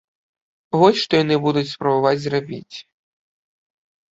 Вось што яны будуць спрабаваць зрабіць.